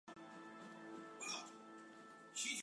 积分形式下的不等式可以有几种不同的写法。